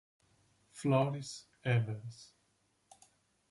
Floris Evers